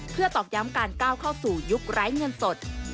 เพื่อตอกย้ำการก้าวเข้าสู่ยุคไร้เงินสด